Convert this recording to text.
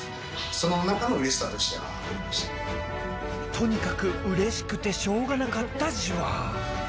とにかくうれしくてしょうがなかったじわ。